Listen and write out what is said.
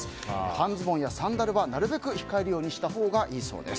半ズボンやサンダルはなるべく控えるようにしたほうがいいそうです。